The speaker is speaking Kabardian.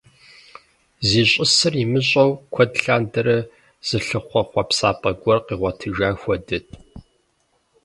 Зищӏысыр имыщӏэу куэд лъандэрэ зылъыхъуэ хъуэпсапӏэ гуэр къигъуэтыжа хуэдэт.